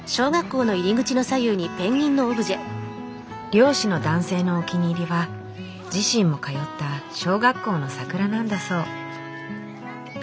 漁師の男性のお気に入りは自身も通った小学校の桜なんだそう。